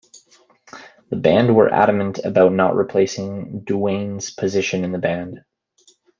The band were adamant about not replacing Duane's position in the band.